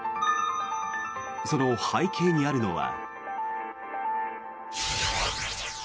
その背景にあるのは。